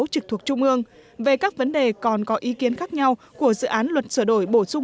trực thuộc trung ương về các vấn đề còn có ý kiến khác nhau của dự án luật sửa đổi bổ sung